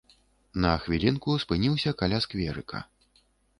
На хвілінку спыніўся каля скверыка.